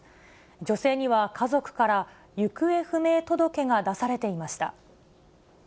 女性には家族から行方不明届が出されていました。